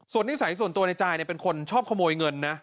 นิสัยส่วนตัวในจายเป็นคนชอบขโมยเงินนะ